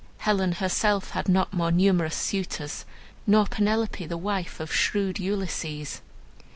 Helen herself had not more numerous suitors, nor Penelope, the wife of shrewd Ulysses.